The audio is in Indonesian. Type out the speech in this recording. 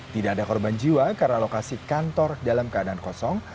tidak ada korban jiwa karena lokasi kantor dalam keadaan kosong